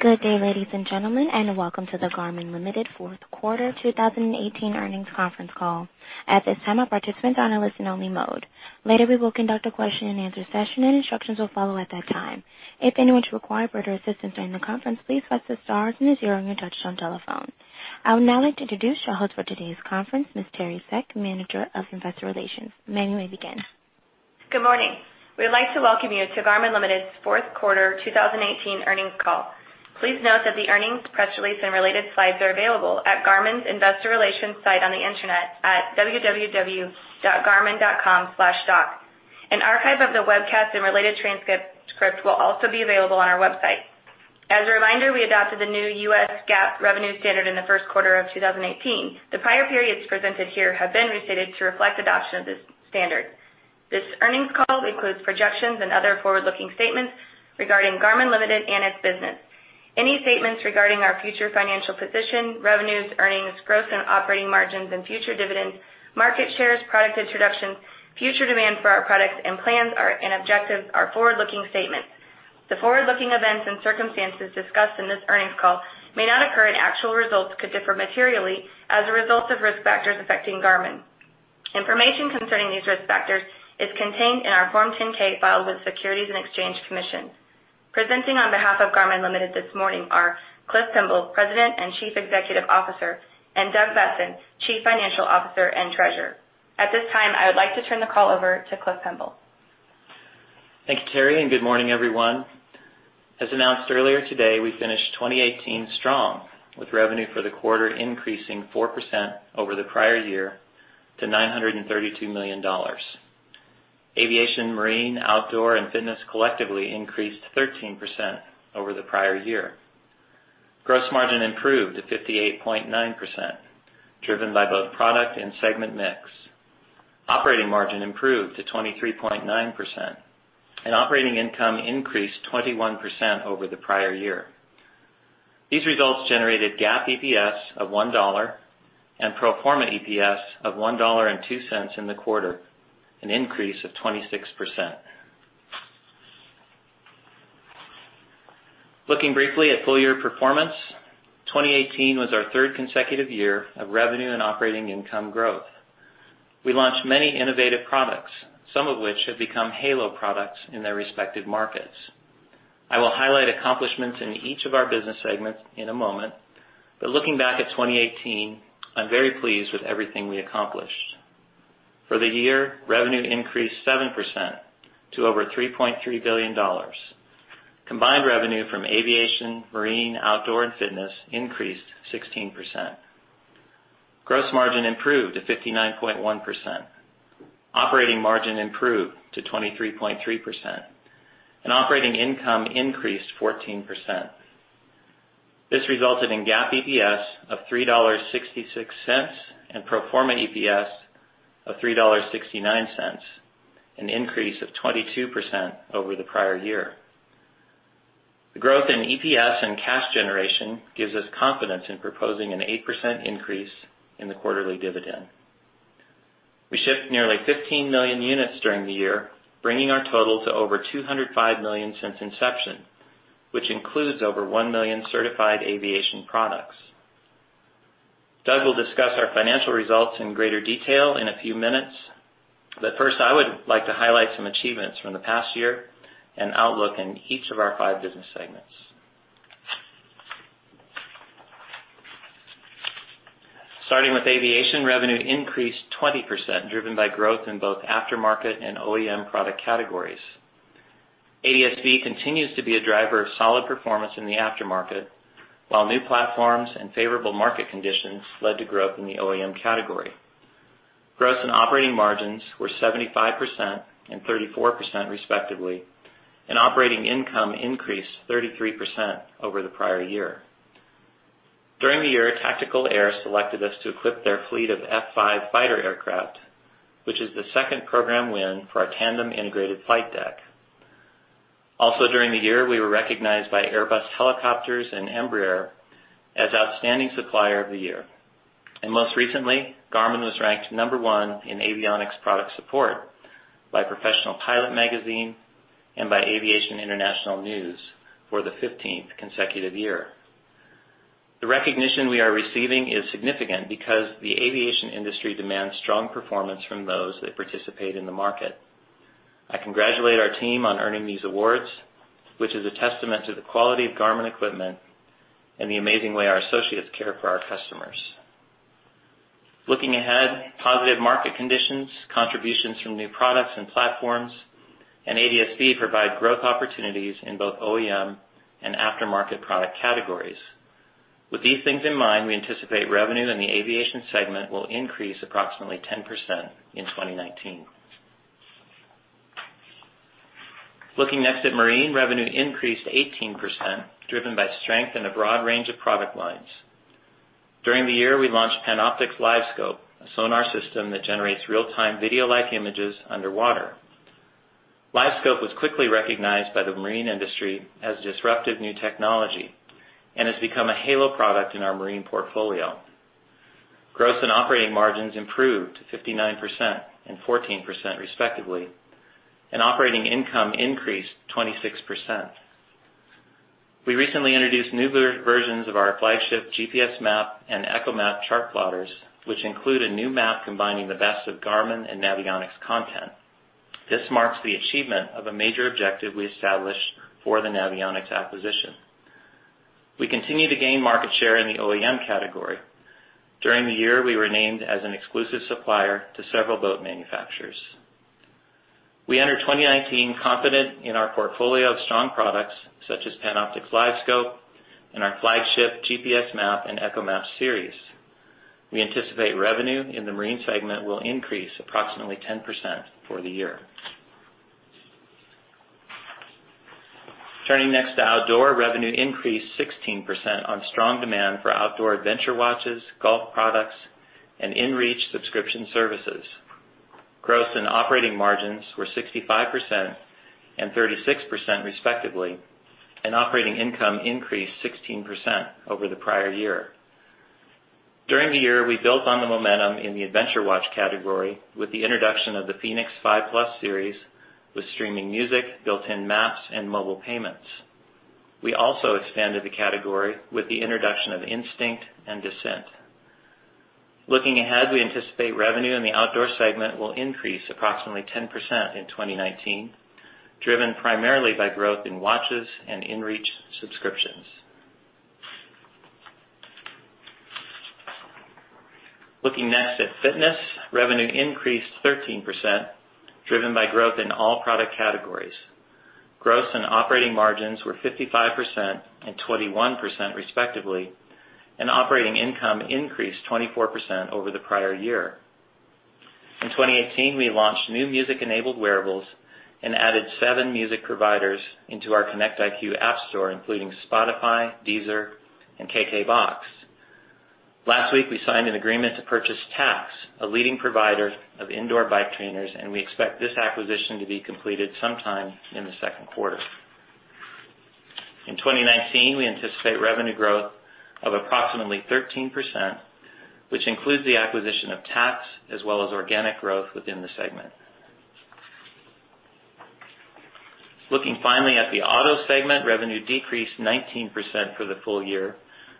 Good day, ladies and gentlemen, and welcome to the Garmin Ltd. Fourth Quarter 2018 Earnings Conference Call. At this time, all participants are on a listen only mode. Later, we will conduct a question and answer session, and instructions will follow at that time. If anyone should require further assistance during the conference, please press the stars and the zero on your touch-tone telephone. I would now like to introduce your host for today's conference, Ms. Teri Seck, Manager of Investor Relations. Ma'am, you may begin. Good morning. We'd like to welcome you to Garmin Ltd.'s fourth quarter 2018 earnings call. Please note that the earnings press release and related slides are available at Garmin's investor relations site on the internet at www.garmin.com/stock. An archive of the webcast and related transcript will also be available on our website. As a reminder, we adopted the new US GAAP revenue standard in the first quarter of 2018. The prior periods presented here have been restated to reflect adoption of this standard. This earnings call includes projections and other forward-looking statements regarding Garmin Ltd. and its business. Any statements regarding our future financial position, revenues, earnings, growth, and operating margins and future dividends, market shares, product introductions, future demand for our products, and plans and objectives are forward-looking statements. The forward-looking events and circumstances discussed in this earnings call may not occur, and actual results could differ materially as a result of risk factors affecting Garmin. Information concerning these risk factors is contained in our Form 10-K filed with Securities and Exchange Commission. Presenting on behalf of Garmin Ltd. this morning are Cliff Pemble, President and Chief Executive Officer, and Doug Boessen, Chief Financial Officer and Treasurer. At this time, I would like to turn the call over to Cliff Pemble. Thank you, Teri, and good morning, everyone. As announced earlier today, we finished 2018 strong, with revenue for the quarter increasing 4% over the prior year to $932 million. Aviation, marine, outdoor, and fitness collectively increased 13% over the prior year. Gross margin improved to 58.9%, driven by both product and segment mix. Operating margin improved to 23.9%, and operating income increased 21% over the prior year. These results generated GAAP EPS of $1 and pro forma EPS of $1.02 in the quarter, an increase of 26%. Looking briefly at full year performance, 2018 was our third consecutive year of revenue and operating income growth. We launched many innovative products, some of which have become halo products in their respective markets. I will highlight accomplishments in each of our business segments in a moment, but looking back at 2018, I'm very pleased with everything we accomplished. For the year, revenue increased 7% to over $3.3 billion. Combined revenue from aviation, marine, outdoor, and fitness increased 16%. Gross margin improved to 59.1%. Operating margin improved to 23.3%, and operating income increased 14%. This resulted in GAAP EPS of $3.66 and pro forma EPS of $3.69, an increase of 22% over the prior year. The growth in EPS and cash generation gives us confidence in proposing an 8% increase in the quarterly dividend. We shipped nearly 15 million units during the year, bringing our total to over 205 million since inception, which includes over one million certified aviation products. Doug Boessen will discuss our financial results in greater detail in a few minutes, but first, I would like to highlight some achievements from the past year and outlook in each of our five business segments. Starting with aviation, revenue increased 20%, driven by growth in both aftermarket and OEM product categories. ADS-B continues to be a driver of solid performance in the aftermarket, while new platforms and favorable market conditions led to growth in the OEM category. Gross and operating margins were 75% and 34%, respectively, and operating income increased 33% over the prior year. During the year, Tactical Air selected us to equip their fleet of F-5 fighter aircraft, which is the second program win for our tandem integrated flight deck. Also, during the year, we were recognized by Airbus Helicopters and Embraer as Outstanding Supplier of the Year. Most recently, Garmin was ranked number one in avionics product support by Professional Pilot magazine and by Aviation International News for the 15th consecutive year. The recognition we are receiving is significant because the aviation industry demands strong performance from those that participate in the market. I congratulate our team on earning these awards, which is a testament to the quality of Garmin equipment and the amazing way our associates care for our customers. Looking ahead, positive market conditions, contributions from new products and platforms, and ADS-B provide growth opportunities in both OEM and aftermarket product categories. With these things in mind, we anticipate revenue in the aviation segment will increase approximately 10% in 2019. Looking next at marine. Revenue increased 18%, driven by strength in a broad range of product lines. During the year, we launched Panoptix LiveScope, a sonar system that generates real-time video-like images underwater. LiveScope was quickly recognized by the marine industry as disruptive new technology and has become a halo product in our marine portfolio. Gross and operating margins improved to 59% and 14% respectively, and operating income increased 26%. We recently introduced newer versions of our flagship GPSMAP and ECHOMAP chart plotters, which include a new map combining the best of Garmin and Navionics content. This marks the achievement of a major objective we established for the Navionics acquisition. We continue to gain market share in the OEM category. During the year, we were named as an exclusive supplier to several boat manufacturers. We enter 2019 confident in our portfolio of strong products, such as Panoptix LiveScope and our flagship GPSMAP and ECHOMAP series. We anticipate revenue in the marine segment will increase approximately 10% for the year. Turning next to outdoor, revenue increased 16% on strong demand for outdoor adventure watches, golf products, and inReach subscription services. Gross and operating margins were 65% and 36% respectively, and operating income increased 16% over the prior year. During the year, we built on the momentum in the adventure watch category with the introduction of the fēnix 5 Plus series with streaming music, built-in maps, and mobile payments. We also expanded the category with the introduction of Instinct and Descent. Looking ahead, we anticipate revenue in the outdoor segment will increase approximately 10% in 2019, driven primarily by growth in watches and inReach subscriptions. Looking next at fitness, revenue increased 13%, driven by growth in all product categories. Gross and operating margins were 55% and 21% respectively, and operating income increased 24% over the prior year. In 2018, we launched new music-enabled wearables and added seven music providers into our Connect IQ app store, including Spotify, Deezer, and KKBOX. Last week, we signed an agreement to purchase Tacx, a leading provider of indoor bike trainers, and we expect this acquisition to be completed sometime in the second quarter. In 2019, we anticipate revenue growth of approximately 13%, which includes the acquisition of Tacx as well as organic growth within the segment. Looking finally at the auto segment, revenue decreased 19% for the full year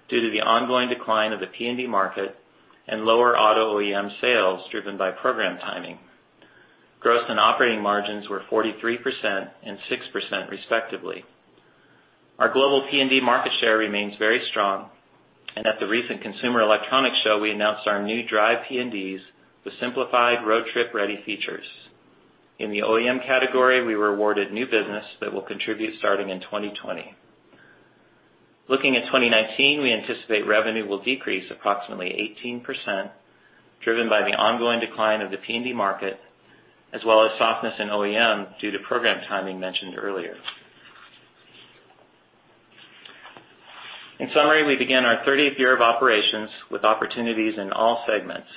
due to the ongoing decline of the PND market and lower auto OEM sales driven by program timing. Gross and operating margins were 43% and 6% respectively. Our global PND market share remains very strong, and at the recent Consumer Electronics Show, we announced our new drive PNDs with simplified road trip-ready features. In the OEM category, we were awarded new business that will contribute starting in 2020. Looking at 2019, we anticipate revenue will decrease approximately 18%, driven by the ongoing decline of the PND market, as well as softness in OEM due to program timing mentioned earlier. In summary, we begin our thirtieth year of operations with opportunities in all segments.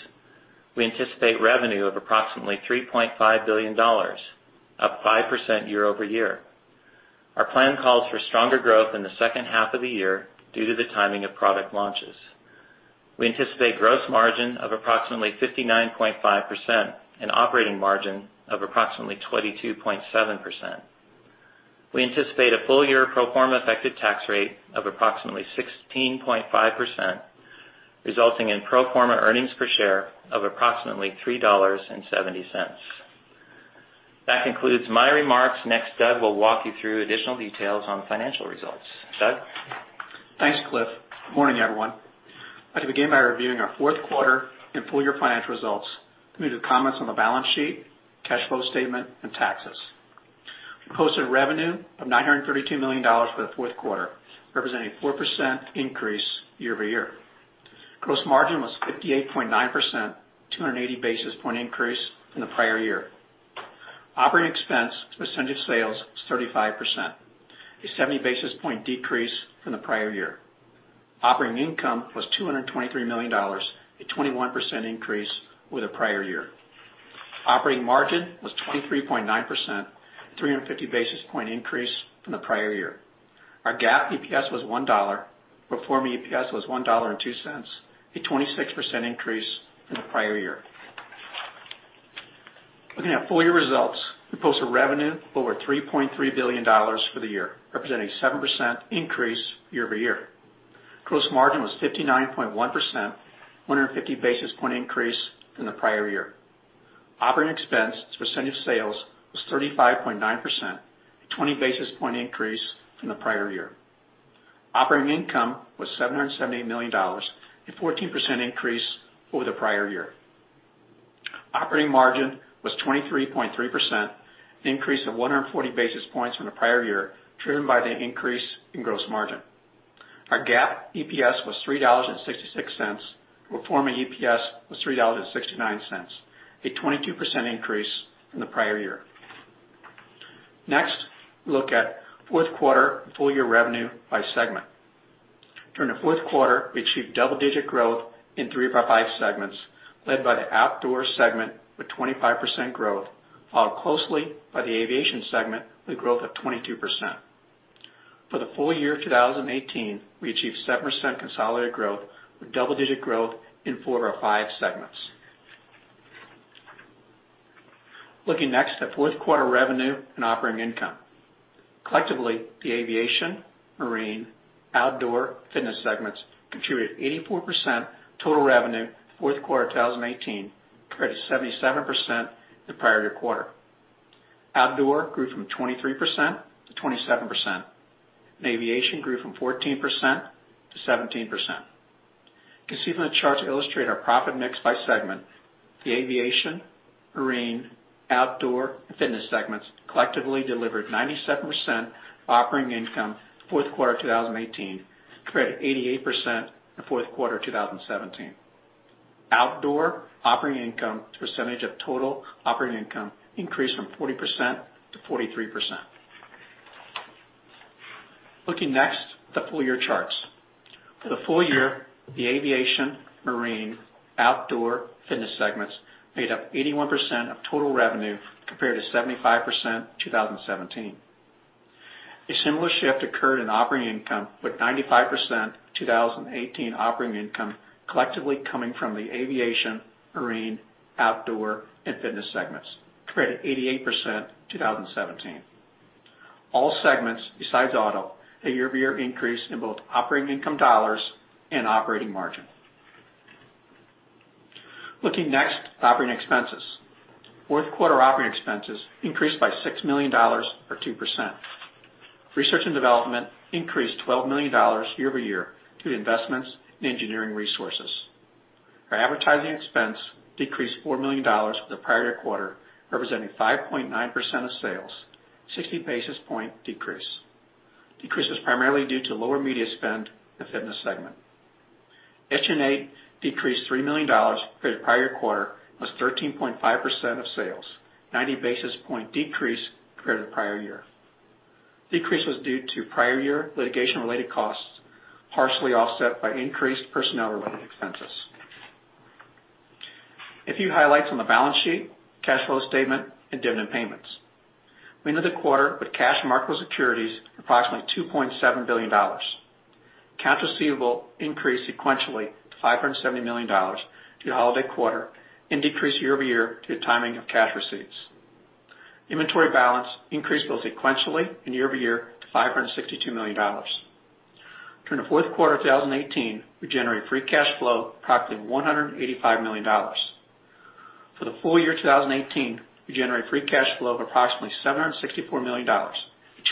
We anticipate revenue of approximately $3.5 billion, up 5% year-over-year. Our plan calls for stronger growth in the second half of the year due to the timing of product launches. We anticipate gross margin of approximately 59.5% and operating margin of approximately 22.7%. We anticipate a full-year pro forma effective tax rate of approximately 16.5%, resulting in pro forma earnings per share of approximately $3.70. That concludes my remarks. Next, Doug will walk you through additional details on financial results. Doug? Thanks, Cliff. Good morning, everyone. I'd like to begin by reviewing our fourth quarter and full year financial results, moving to comments on the balance sheet, cash flow statement, and taxes. We posted revenue of $932 million for the fourth quarter, representing 4% increase year-over-year. Gross margin was 58.9%, 280 basis point increase from the prior year. Operating expense as a percentage of sales was 35%, a 70 basis point decrease from the prior year. Operating income was $223 million, a 21% increase over the prior year. Operating margin was 23.9%, 350 basis point increase from the prior year. Our GAAP EPS was $1.00, pro forma EPS was $1.02, a 26% increase from the prior year. Looking at full year results, we posted revenue over $3.3 billion for the year, representing 7% increase year-over-year. Gross margin was 59.1%, 150 basis point increase from the prior year. Operating expense as a percentage of sales was 35.9%, a 20 basis point increase from the prior year. Operating income was $778 million, a 14% increase over the prior year. Operating margin was 23.3%, an increase of 140 basis points from the prior year, driven by the increase in gross margin. Our GAAP EPS was $3.66, pro forma EPS was $3.69, a 22% increase from the prior year. Next, let's look at fourth quarter and full year revenue by segment. During the fourth quarter, we achieved double-digit growth in three of our five segments, led by the outdoor segment with 25% growth, followed closely by the aviation segment with growth of 22%. For the full year 2018, we achieved 7% consolidated growth, with double-digit growth in four of our five segments. Looking next at fourth quarter revenue and operating income. Collectively, the aviation, marine, outdoor, fitness segments contributed 84% total revenue in the fourth quarter 2018, compared to 77% in the prior year quarter. Outdoor grew from 23% to 27%, and aviation grew from 14% to 17%. You can see from the charts that illustrate our profit mix by segment, the aviation, marine, outdoor, and fitness segments collectively delivered 97% operating income in the fourth quarter 2018, compared to 88% in the fourth quarter 2017. Outdoor operating income as a percentage of total operating income increased from 40% to 43%. Looking next at the full-year charts. For the full year, the aviation, marine, outdoor, fitness segments made up 81% of total revenue, compared to 75% in 2017. A similar shift occurred in operating income, with 95% of 2018 operating income collectively coming from the aviation, marine, outdoor, and fitness segments, compared to 88% in 2017. All segments besides auto had year-over-year increase in both operating income dollars and operating margin. Looking next at operating expenses. Fourth quarter operating expenses increased by $6 million, or 2%. Research and development increased $12 million year-over-year due to investments in engineering resources. Our advertising expense decreased $4 million from the prior year quarter, representing 5.9% of sales, a 60-basis-point decrease. Decrease was primarily due to lower media spend in the fitness segment. SG&A decreased $3 million compared to prior quarter, and was 13.5% of sales, 90-basis-point decrease compared to the prior year. Decrease was due to prior year litigation-related costs partially offset by increased personnel-related expenses. A few highlights on the balance sheet, cash flow statement, and dividend payments. We ended the quarter with cash and marketable securities approximately $2.7 billion. Accounts receivable increased sequentially to $570 million due to the holiday quarter, and decreased year-over-year due to timing of cash receipts. Inventory balance increased both sequentially and year-over-year to $562 million. During the fourth quarter 2018, we generated free cash flow approximately $185 million. For the full year 2018, we generated free cash flow of approximately $764 million, a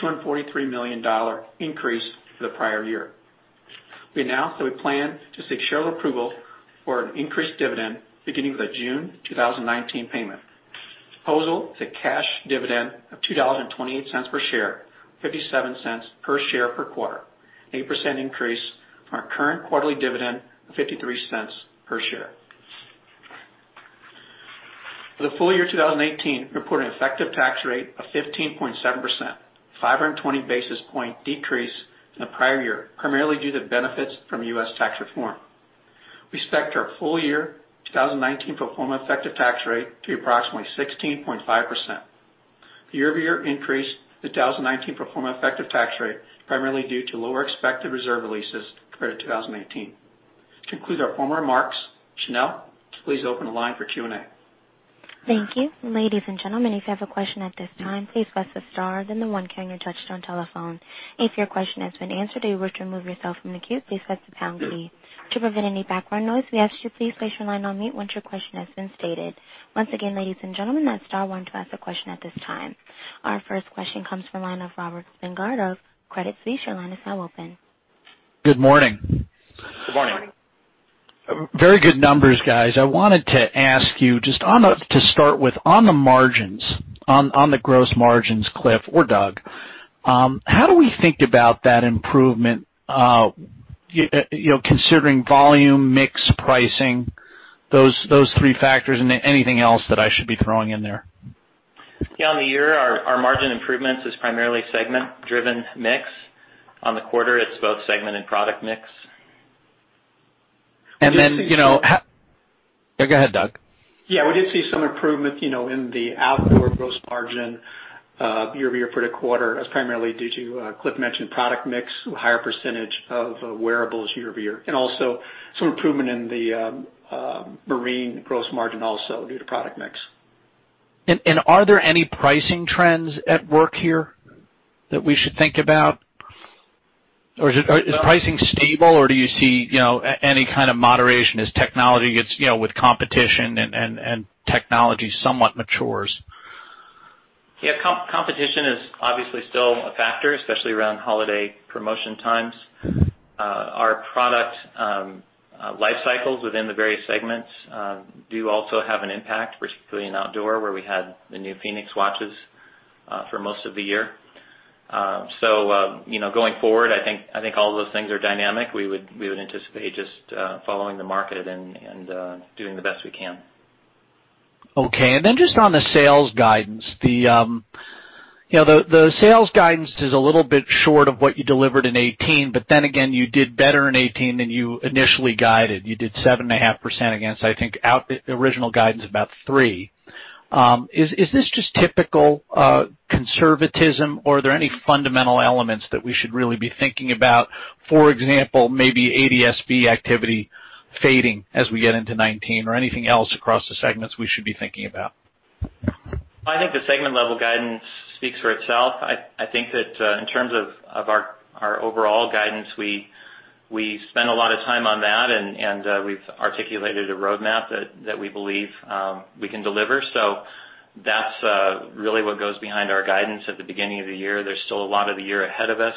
$243 million increase from the prior year. We announced that we plan to seek shareholder approval for an increased dividend beginning with the June 2019 payment. The proposal is a cash dividend of $2.28 per share, $0.57 per share per quarter, an 8% increase from our current quarterly dividend of $0.53 per share. For the full year 2018, we reported an effective tax rate of 15.7%, a 520-basis-point decrease from the prior year, primarily due to benefits from U.S. tax reform. We expect our full year 2019 pro forma effective tax rate to be approximately 16.5%. The year-over-year increase in the 2019 pro forma effective tax rate primarily due to lower expected reserve releases compared to 2018. To conclude our formal remarks, Chanel, please open the line for Q&A. Thank you. Ladies and gentlemen, if you have a question at this time, please press the star then the one key on your touch-tone telephone. If your question has been answered or you wish to remove yourself from the queue, please press the pound key. To prevent any background noise, we ask you please place your line on mute once your question has been stated. Once again, ladies and gentlemen, that's star one to ask a question at this time. Our first question comes from the line of Robert Spingarn of Credit Suisse. Your line is now open. Good morning. Good morning. Very good numbers, guys. I wanted to ask you, just to start with, on the margins, on the gross margins, Cliff or Doug, how do we think about that improvement, considering volume, mix, pricing, those three factors, anything else that I should be throwing in there? Yeah, on the year, our margin improvements is primarily segment-driven mix. On the quarter, it's both segment and product mix. Go ahead, Doug. We did see some improvement in the outdoor gross margin year-over-year for the quarter. That's primarily due to, Cliff mentioned, product mix, a higher percentage of wearables year-over-year. Also some improvement in the marine gross margin also due to product mix. Are there any pricing trends at work here that we should think about? Or is pricing stable, or do you see any kind of moderation as technology With competition and technology somewhat matures? Competition is obviously still a factor, especially around holiday promotion times. Our product life cycles within the various segments do also have an impact, particularly in outdoor, where we had the new fēnix watches for most of the year. Going forward, I think all those things are dynamic. We would anticipate just following the market and doing the best we can. Okay. Just on the sales guidance. The sales guidance is a little bit short of what you delivered in 2018. You did better in 2018 than you initially guided. You did 7.5% against, I think, original guidance about 3%. Is this just typical conservatism or are there any fundamental elements that we should really be thinking about? For example, maybe ADS-B activity fading as we get into 2019 or anything else across the segments we should be thinking about. I think the segment level guidance speaks for itself. I think that in terms of our overall guidance, we spend a lot of time on that, and we've articulated a roadmap that we believe we can deliver. That's really what goes behind our guidance at the beginning of the year. There's still a lot of the year ahead of us.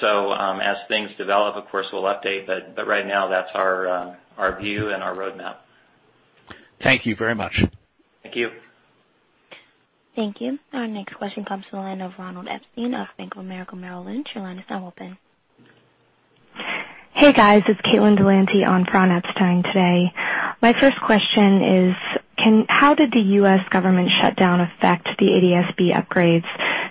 As things develop, of course, we'll update, but right now that's our view and our roadmap. Thank you very much. Thank you. Thank you. Our next question comes from the line of Ronald Epstein of Bank of America Merrill Lynch. Your line is now open. Hey, guys, it's on for Ron Epstein today. My first question is, how did the U.S. government shutdown affect the ADS-B upgrades?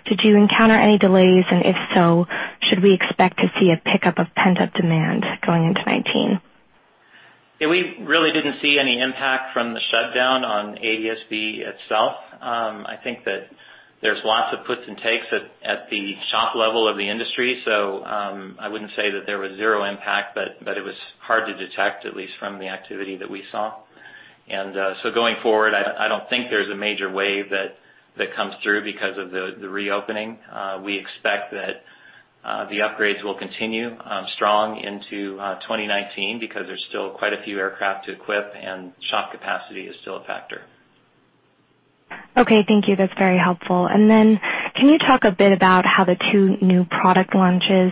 Did you encounter any delays, and if so, should we expect to see a pickup of pent-up demand going into 2019? Yeah, we really didn't see any impact from the shutdown on ADS-B itself. I think that there's lots of puts and takes at the shop level of the industry, I wouldn't say that there was zero impact, but it was hard to detect, at least from the activity that we saw. Going forward, I don't think there's a major wave that comes through because of the reopening. We expect that the upgrades will continue strong into 2019 because there's still quite a few aircraft to equip, and shop capacity is still a factor. Okay. Thank you. That's very helpful. Can you talk a bit about how the two new product launches,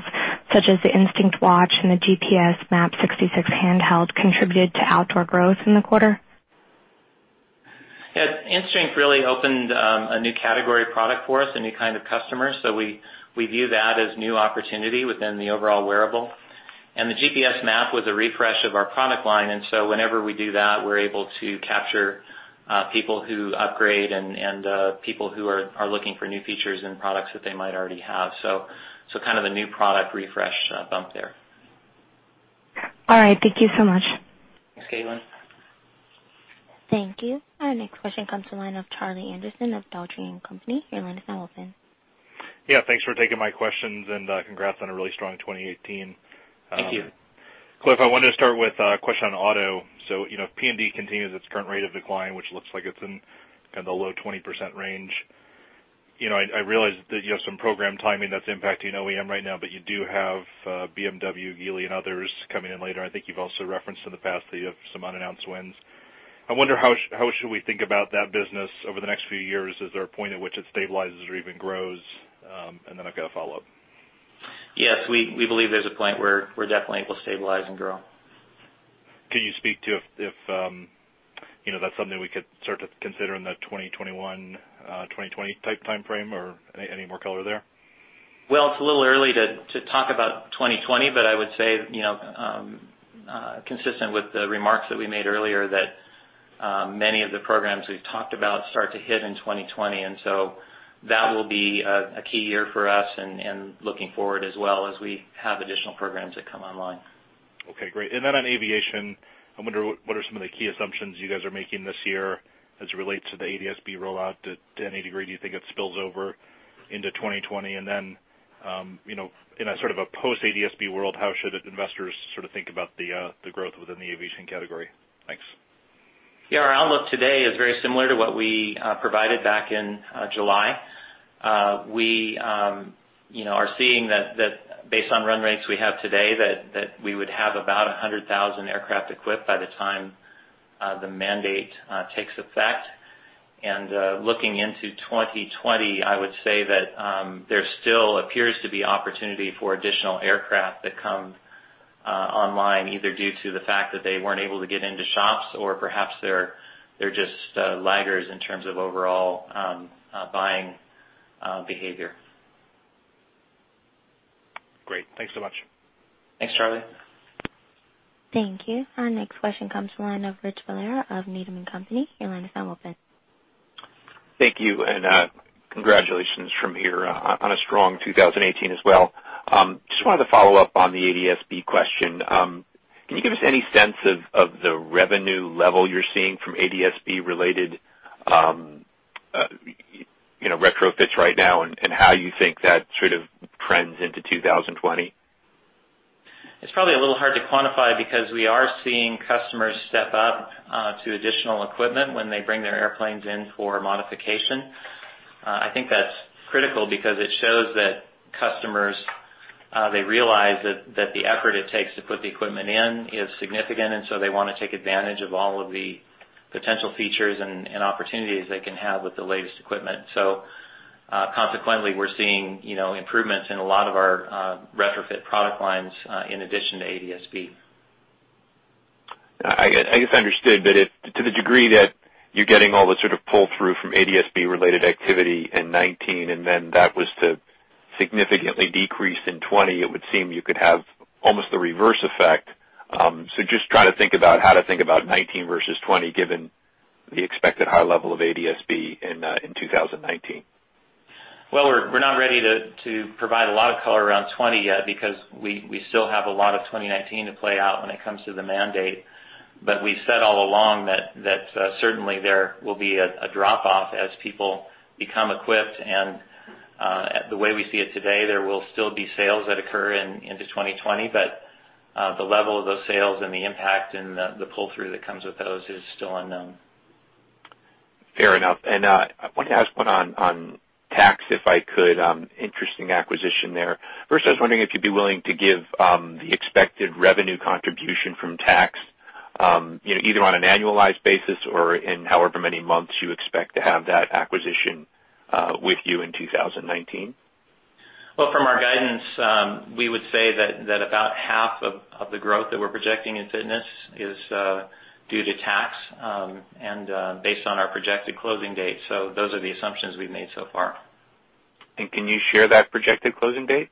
such as the Instinct watch and the GPSMAP 66 handheld, contributed to outdoor growth in the quarter? Yeah. Instinct really opened a new category of product for us, a new kind of customer. We view that as new opportunity within the overall wearable. The GPSMAP was a refresh of our product line, whenever we do that, we're able to capture people who upgrade and people who are looking for new features in products that they might already have. Kind of a new product refresh bump there. All right. Thank you so much. Thanks, Caitlin. Thank you. Our next question comes from the line of Charlie Anderson of Dougherty & Company. Your line is now open. Yeah. Thanks for taking my questions, and congrats on a really strong 2018. Thank you. Cliff, I wanted to start with a question on auto. If PND continues its current rate of decline, which looks like it's in kind of the low 20% range, I realize that you have some program timing that's impacting OEM right now, but you do have BMW, Geely, and others coming in later. I think you've also referenced in the past that you have some unannounced wins. I wonder how should we think about that business over the next few years. Is there a point at which it stabilizes or even grows? Then I've got a follow-up. Yes, we believe there's a point where definitely it will stabilize and grow. Can you speak to if that's something we could start to consider in the 2021, 2020 type timeframe, or any more color there? Well, it's a little early to talk about 2020, but I would say, consistent with the remarks that we made earlier, that many of the programs we've talked about start to hit in 2020, so that will be a key year for us and looking forward as well as we have additional programs that come online. Okay, great. On aviation, I wonder what are some of the key assumptions you guys are making this year as it relates to the ADS-B rollout? To any degree, do you think it spills over into 2020? In a sort of a post-ADS-B world, how should investors sort of think about the growth within the aviation category? Thanks. Yeah, our outlook today is very similar to what we provided back in July. We are seeing that based on run rates we have today, that we would have about 100,000 aircraft equipped by the time the mandate takes effect. Looking into 2020, I would say that there still appears to be opportunity for additional aircraft that come online, either due to the fact that they weren't able to get into shops or perhaps they're just laggers in terms of overall buying behavior. Great. Thanks so much. Thanks, Charlie. Thank you. Our next question comes from the line of Richard Valera of Needham & Company. Your line is now open. Thank you. Congratulations from here on a strong 2018 as well. Just wanted to follow up on the ADS-B question. Can you give us any sense of the revenue level you're seeing from ADS-B related retrofits right now, and how you think that sort of trends into 2020? It's probably a little hard to quantify because we are seeing customers step up to additional equipment when they bring their airplanes in for modification. I think that's critical because it shows that customers, they realize that the effort it takes to put the equipment in is significant, and so they want to take advantage of all of the potential features and opportunities they can have with the latest equipment. Consequently, we're seeing improvements in a lot of our retrofit product lines in addition to ADS-B. I guess I understood. To the degree that you're getting all the sort of pull-through from ADS-B related activity in 2019, that was to significantly decrease in 2020, it would seem you could have almost the reverse effect. Just trying to think about how to think about 2019 versus 2020 given the expected high level of ADS-B in 2019. Well, we're not ready to provide a lot of color around 2020 yet because we still have a lot of 2019 to play out when it comes to the mandate. We've said all along that certainly there will be a drop-off as people become equipped. The way we see it today, there will still be sales that occur into 2020. The level of those sales and the impact and the pull-through that comes with those is still unknown. Fair enough. I wanted to ask one on Tacx, if I could. Interesting acquisition there. First, I was wondering if you'd be willing to give the expected revenue contribution from Tacx, either on an annualized basis or in however many months you expect to have that acquisition with you in 2019. Well, from our guidance, we would say that about half of the growth that we're projecting in fitness is due to Tacx and based on our projected closing date. Those are the assumptions we've made so far. Can you share that projected closing date?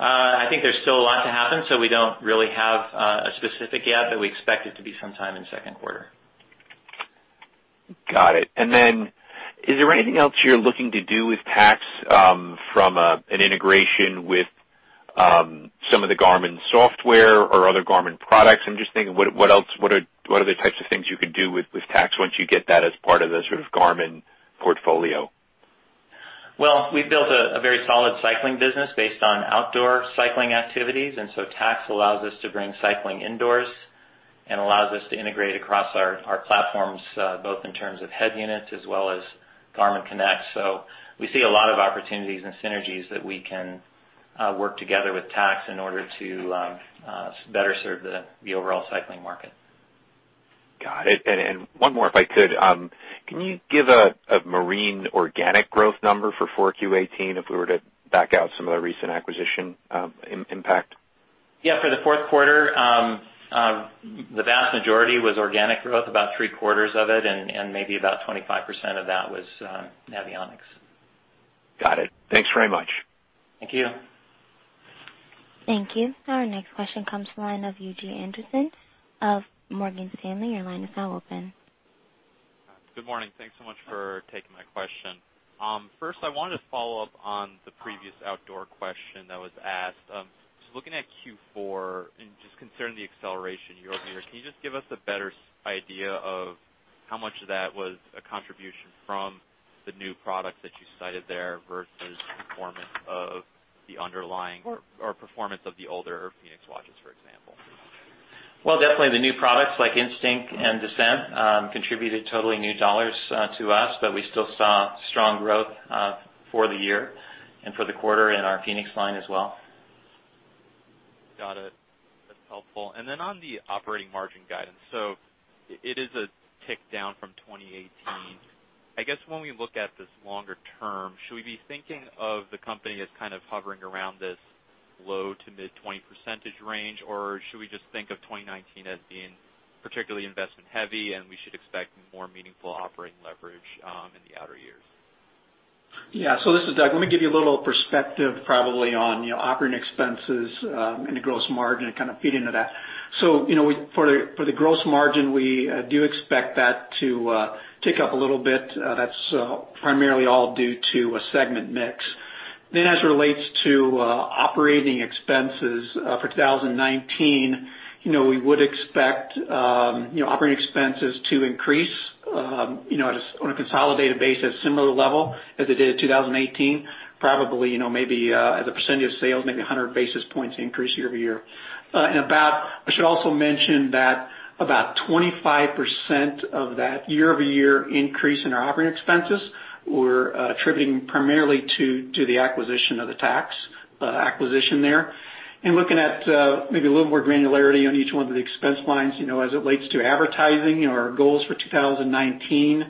I think there's still a lot to happen, so we don't really have a specific yet, but we expect it to be sometime in the second quarter. Got it. Is there anything else you're looking to do with Tacx from an integration with some of the Garmin software or other Garmin products? I'm just thinking, what are the types of things you could do with Tacx once you get that as part of the sort of Garmin portfolio? We've built a very solid cycling business based on outdoor cycling activities. Tacx allows us to bring cycling indoors and allows us to integrate across our platforms, both in terms of head units as well as Garmin Connect. We see a lot of opportunities and synergies that we can work together with Tacx in order to better serve the overall cycling market. Got it. One more, if I could. Can you give a marine organic growth number for 4Q 2018 if we were to back out some of the recent acquisition impact? For the fourth quarter, the vast majority was organic growth, about three-quarters of it, and maybe about 25% of that was Navionics. Got it. Thanks very much. Thank you. Thank you. Our next question comes from the line of Ben Uglow of Morgan Stanley. Your line is now open. Good morning. Thanks so much for taking my question. First, I wanted to follow up on the previous outdoor question that was asked. Just looking at Q4 and just considering the acceleration year-over-year, can you just give us a better idea of how much of that was a contribution from the new product that you cited there versus performance of the underlying or performance of the older fēnix watches, for example? Well, definitely the new products like Instinct and Descent contributed totally new dollars to us, but we still saw strong growth for the year and for the quarter in our fēnix line as well. Got it. That's helpful. On the operating margin guidance. It is a tick down from 2018. I guess when we look at this longer term, should we be thinking of the company as kind of hovering around this low to mid 20% range, or should we just think of 2019 as being particularly investment heavy, and we should expect more meaningful operating leverage in the outer years? Yeah. This is Doug. Let me give you a little perspective, probably on operating expenses and the gross margin and kind of feeding into that. For the gross margin, we do expect that to tick up a little bit. That's primarily all due to a segment mix. As it relates to operating expenses for 2019, we would expect operating expenses to increase on a consolidated basis, similar level as it did 2018, probably maybe as a percentage of sales, maybe 100 basis points increase year-over-year. I should also mention that about 25% of that year-over-year increase in our operating expenses we're attributing primarily to the acquisition of the Tacx acquisition there. Looking at maybe a little more granularity on each one of the expense lines as it relates to advertising, our goals for 2019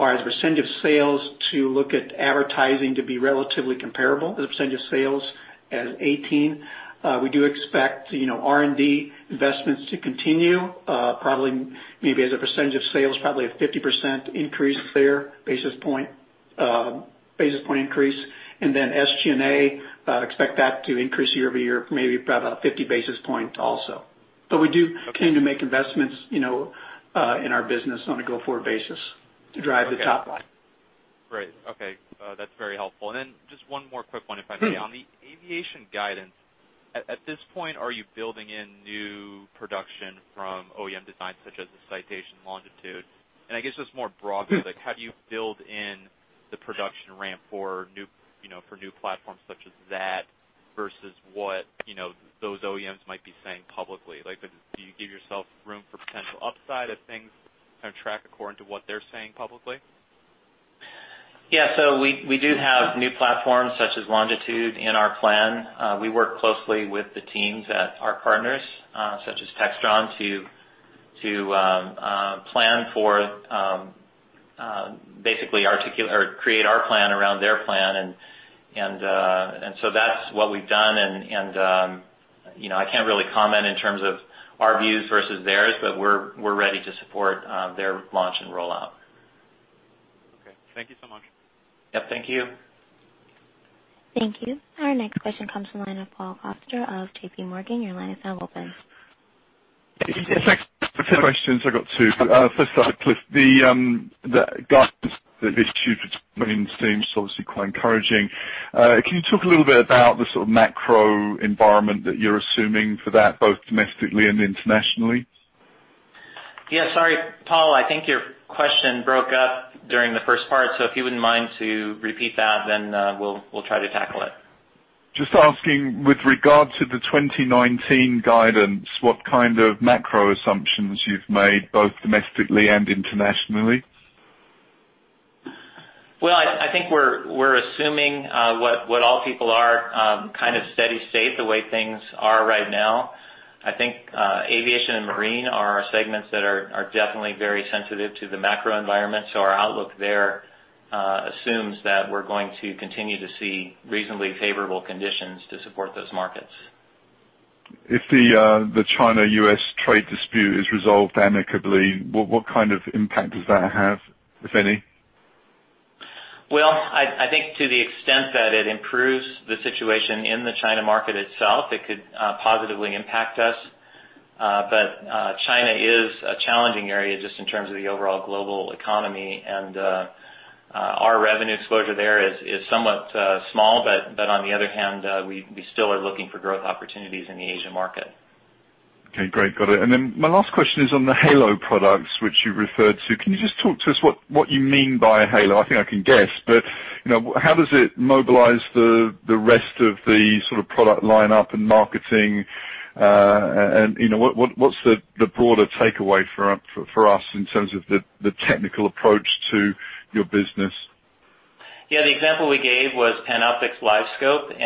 are as a percentage of sales to look at advertising to be relatively comparable as a percentage of sales as 2018. We do expect R&D investments to continue, probably maybe as a percentage of sales, probably a 50% increase there, basis point increase. SG&A, expect that to increase year-over-year, maybe by about 50 basis points also. Okay We do continue to make investments in our business on a go-forward basis to drive the top line. Great. Okay. That's very helpful. Just one more quick one, if I may. Sure. On the aviation guidance, at this point, are you building in new production from OEM designs such as the Citation Longitude? I guess just more broadly. Sure How do you build in the production ramp for new platforms such as that versus what those OEMs might be saying publicly? Do you give yourself room for potential upside if things track according to what they're saying publicly? Yeah. We do have new platforms such as Longitude in our plan. We work closely with the teams at our partners, such as Textron, to plan for basically create our plan around their plan. That's what we've done, and I can't really comment in terms of our views versus theirs, but we're ready to support their launch and rollout. Okay. Thank you so much. Yep. Thank you. Thank you. Our next question comes from the line of Paul Coster of JPMorgan. Your line is now open. Thanks. A few questions. I've got two. First up, Cliff, the guidance that you've issued for 2019 seems obviously quite encouraging. Can you talk a little bit about the sort of macro environment that you're assuming for that, both domestically and internationally? Yeah, sorry, Paul, I think your question broke up during the first part, so if you wouldn't mind to repeat that, then we'll try to tackle it. Just asking with regard to the 2019 guidance, what kind of macro assumptions you've made, both domestically and internationally? Well, I think we're assuming what all people are, kind of steady state, the way things are right now. I think aviation and marine are segments that are definitely very sensitive to the macro environment. Our outlook there assumes that we're going to continue to see reasonably favorable conditions to support those markets. If the China-U.S. trade dispute is resolved amicably, what kind of impact does that have, if any? Well, I think to the extent that it improves the situation in the China market itself, it could positively impact us. China is a challenging area just in terms of the overall global economy. Our revenue exposure there is somewhat small, but on the other hand, we still are looking for growth opportunities in the Asian market. Okay, great. Got it. My last question is on the halo products, which you referred to. Can you just talk to us what you mean by a halo? I think I can guess, but how does it mobilize the rest of the sort of product lineup and marketing, and what's the broader takeaway for us in terms of the technical approach to your business? Yeah, the example we gave was Panoptix LiveScope.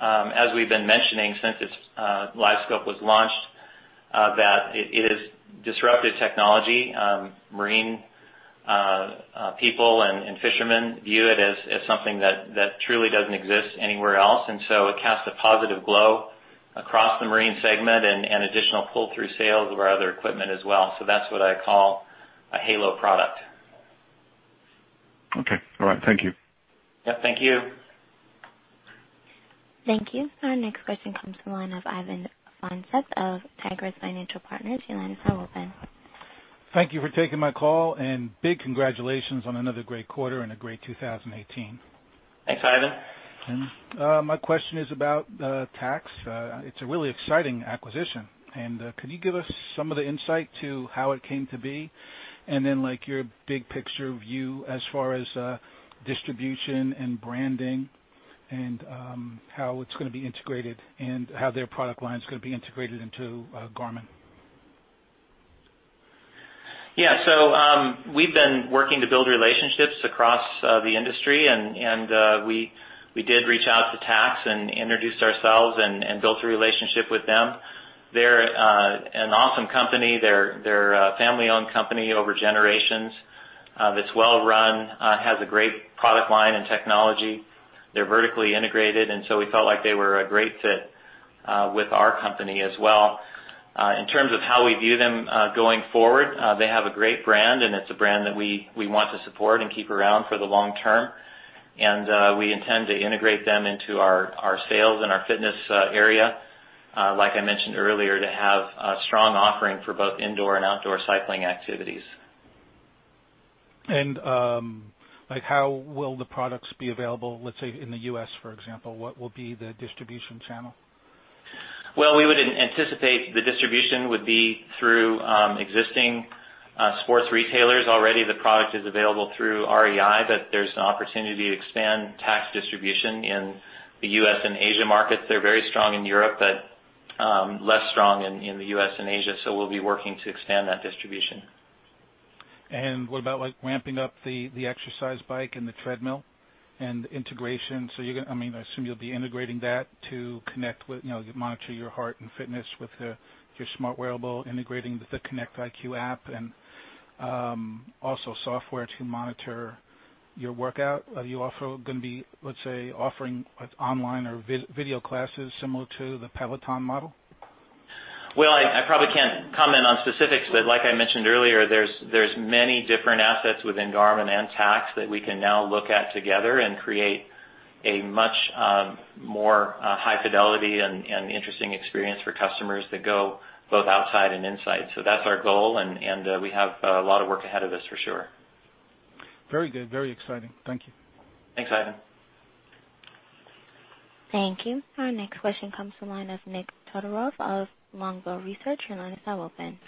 As we've been mentioning since LiveScope was launched, that it has disrupted technology. Marine people and fishermen view it as something that truly doesn't exist anywhere else. It casts a positive glow across the marine segment and additional pull-through sales of our other equipment as well. That's what I call a halo product. Okay. All right. Thank you. Yeah. Thank you. Thank you. Our next question comes from the line of Ivan Feinseth of Tigress Financial Partners. Your line is now open. Thank you for taking my call, and big congratulations on another great quarter and a great 2018. Thanks, Ivan. My question is about Tacx. It's a really exciting acquisition. Could you give us some of the insight to how it came to be? Then your big picture view as far as distribution and branding, and how it's going to be integrated, and how their product line is going to be integrated into Garmin. Yeah. We've been working to build relationships across the industry, and we did reach out to Tacx and introduced ourselves and built a relationship with them. They're an awesome company. They're a family-owned company over generations, that's well run, has a great product line and technology. They're vertically integrated, we felt like they were a great fit with our company as well. In terms of how we view them going forward, they have a great brand, and it's a brand that we want to support and keep around for the long term. We intend to integrate them into our sales and our fitness area, like I mentioned earlier, to have a strong offering for both indoor and outdoor cycling activities. How will the products be available, let's say, in the U.S., for example? What will be the distribution channel? Well, we would anticipate the distribution would be through existing sports retailers. Already the product is available through REI, but there's an opportunity to expand Tacx distribution in the U.S. and Asia markets. They're very strong in Europe, but less strong in the U.S. and Asia. We'll be working to extend that distribution. What about ramping up the exercise bike and the treadmill, and integration? I assume you'll be integrating that to monitor your heart and fitness with your smart wearable, integrating with the Connect IQ app, and also software to monitor your workout. Are you also going to be, let's say, offering online or video classes similar to the Peloton model? Well, I probably can't comment on specifics, like I mentioned earlier, there's many different assets within Garmin and Tacx that we can now look at together and create a much more high fidelity and interesting experience for customers that go both outside and inside. That's our goal, and we have a lot of work ahead of us, for sure. Very good. Very exciting. Thank you. Thanks, Ivan. Thank you. Our next question comes from the line of Nikolay Todorov of Longbow Research. Your line is now open.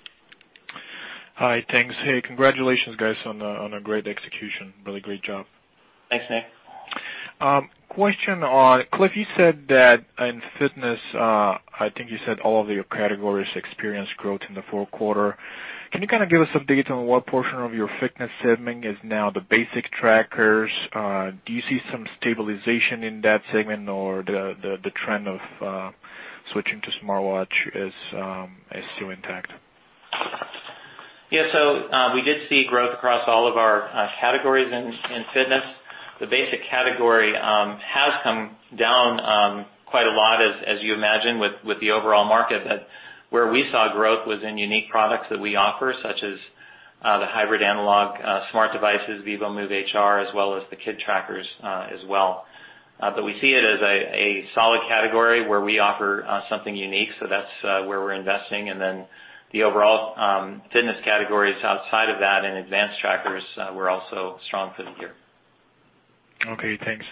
Hi. Thanks. Hey, congratulations, guys, on a great execution. Really great job. Thanks, Nick. Question on, Cliff, you said that in fitness, I think you said all of your categories experienced growth in the fourth quarter. Can you kind of give us update on what portion of your fitness segment is now the basic trackers? Do you see some stabilization in that segment, or the trend of switching to smartwatch is still intact? We did see growth across all of our categories in fitness. The basic category has come down quite a lot as you imagine with the overall market. Where we saw growth was in unique products that we offer, such as the hybrid analog smart devices, vívomove HR, as well as the kid trackers as well. We see it as a solid category where we offer something unique. That's where we're investing, and then the overall fitness categories outside of that and advanced trackers, we're also strong for the year. Okay, thanks.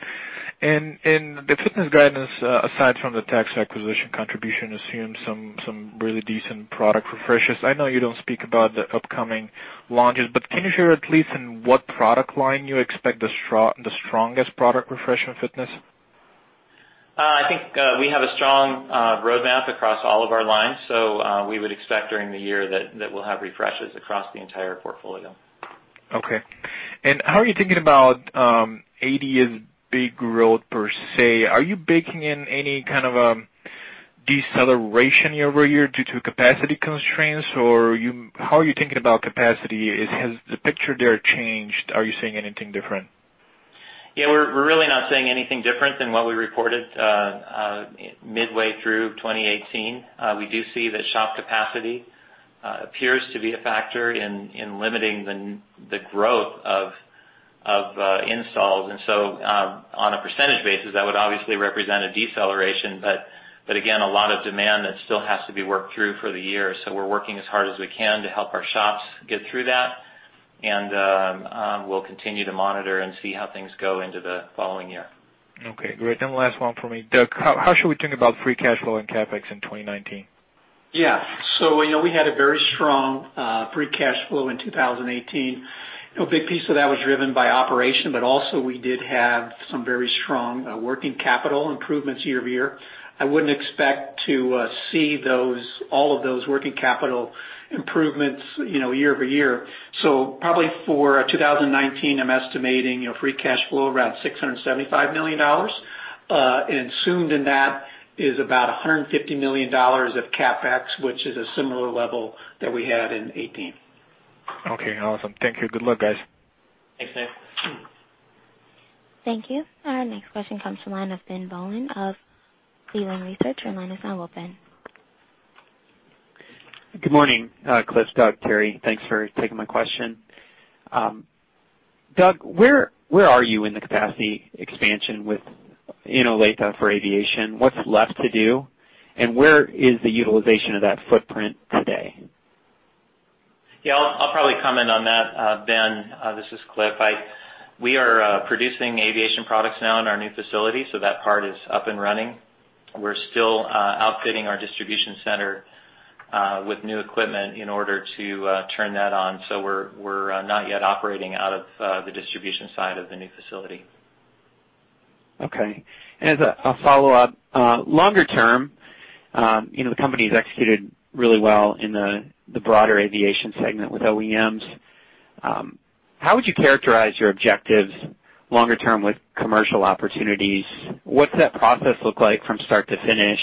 The fitness guidance, aside from the Tacx acquisition contribution, assumes some really decent product refreshes. I know you don't speak about the upcoming launches, but can you share at least in what product line you expect the strongest product refresh in fitness? I think we have a strong roadmap across all of our lines. We would expect during the year that we'll have refreshes across the entire portfolio. Okay. How are you thinking about ADS-B growth per se? Are you baking in any kind of deceleration year-over-year due to capacity constraints, or how are you thinking about capacity? Has the picture there changed? Are you seeing anything different? We're really not seeing anything different than what we reported midway through 2018. We do see that shop capacity appears to be a factor in limiting the growth of installs. On a percentage basis, that would obviously represent a deceleration. Again, a lot of demand that still has to be worked through for the year. We're working as hard as we can to help our shops get through that, and we'll continue to monitor and see how things go into the following year. Okay, great. Last one from me. Doug, how should we think about free cash flow and CapEx in 2019? We had a very strong free cash flow in 2018. A big piece of that was driven by operation, but also we did have some very strong working capital improvements year-over-year. I wouldn't expect to see all of those working capital improvements year-over-year. Probably for 2019, I'm estimating free cash flow around $675 million. Assumed in that is about $150 million of CapEx, which is a similar level that we had in 2018. Okay, awesome. Thank you. Good luck, guys. Thanks, Nick. Thank you. Our next question comes from the line of Ben Bollin of Cleveland Research. Your line is now open. Good morning, Cliff, Doug, Teri. Thanks for taking my question. Doug, where are you in the capacity expansion with Olathe for aviation? What's left to do, and where is the utilization of that footprint today? Yeah, I'll probably comment on that, Ben. This is Cliff. We are producing aviation products now in our new facility. That part is up and running. We're still outfitting our distribution center with new equipment in order to turn that on. We're not yet operating out of the distribution side of the new facility. Okay. As a follow-up, longer term, the company's executed really well in the broader aviation segment with OEMs. How would you characterize your objectives longer term with commercial opportunities? What's that process look like from start to finish?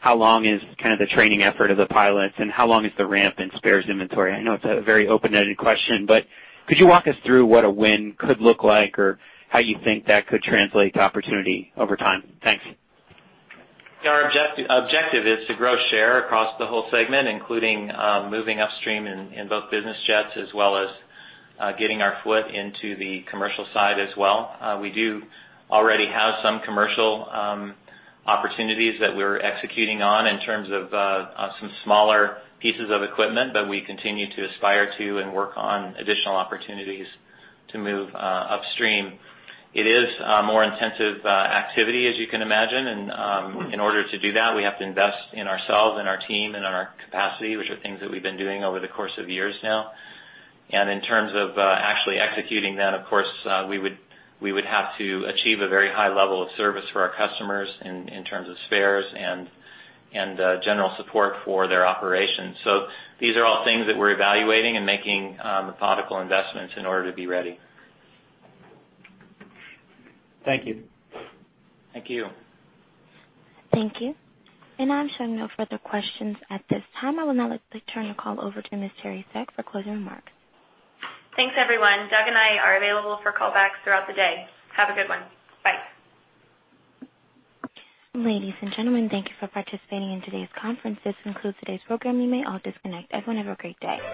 How long is kind of the training effort of the pilots, and how long is the ramp and spares inventory? I know it's a very open-ended question, but could you walk us through what a win could look like or how you think that could translate to opportunity over time? Thanks. Our objective is to grow share across the whole segment, including moving upstream in both business jets as well as getting our foot into the commercial side as well. We do already have some commercial opportunities that we're executing on in terms of some smaller pieces of equipment, we continue to aspire to and work on additional opportunities to move upstream. It is a more intensive activity, as you can imagine. In order to do that, we have to invest in ourselves and our team and in our capacity, which are things that we've been doing over the course of years now. In terms of actually executing that, of course, we would have to achieve a very high level of service for our customers in terms of spares and general support for their operations. These are all things that we're evaluating and making methodical investments in order to be ready. Thank you. Thank you. Thank you. I'm showing no further questions at this time. I will now turn the call over to Ms. Teri Seck for closing remarks. Thanks, everyone. Doug and I are available for callbacks throughout the day. Have a good one. Bye. Ladies and gentlemen, thank you for participating in today's conference. This concludes today's program. You may all disconnect. Everyone have a great day.